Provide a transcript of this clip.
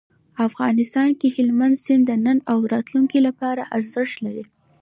افغانستان کې هلمند سیند د نن او راتلونکي لپاره ارزښت لري.